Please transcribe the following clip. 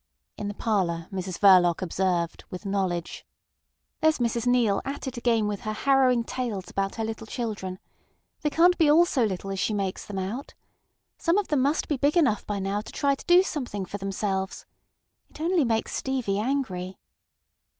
In the parlour Mrs Verloc observed, with knowledge: "There's Mrs Neale at it again with her harrowing tales about her little children. They can't be all so little as she makes them out. Some of them must be big enough by now to try to do something for themselves. It only makes Stevie angry."